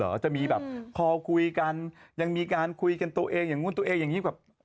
จะมีแบบคอคุยกันยังมีการคุยกันตัวเองอย่างนู้นตัวเองอย่างนี้แบบ